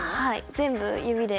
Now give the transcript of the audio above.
全部指で。